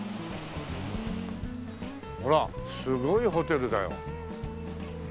ほらすごいホテルだよ。